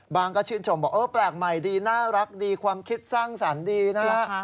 ก็ชื่นชมบอกเออแปลกใหม่ดีน่ารักดีความคิดสร้างสรรค์ดีนะฮะ